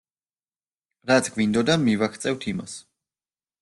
რაც გვინდოდა მივაღწევთ იმას.